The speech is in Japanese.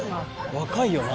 若いよな。